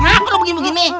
kenapa lu begini begini